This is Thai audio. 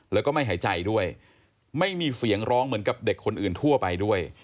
แล้วก็ไม่หายใจด้วยไม่มีเสียงร้องเหมือนกับเด็กคนอื่นทั่วไปด้วย